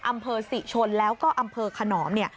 อำเภอสิฉลแล้วก็อำเภอขนอม